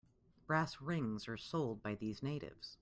Brass rings are sold by these natives.